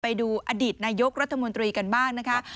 ไปดูอดีตนายกรัฐมนตรีกันบ้างนะคะ